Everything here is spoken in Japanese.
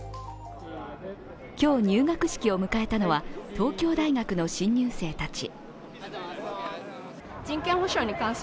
今日、入学式を迎えたのは東京大学の新入生たち。